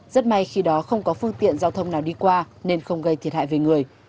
rất may khi đó không có phương tiện giao thông nào đi qua nên không gây thiệt hại về người